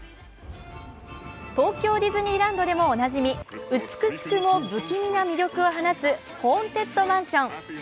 東京ディズニーランドでもおなじみ美しくも不気味な魅力を放つホーンテッドマンション。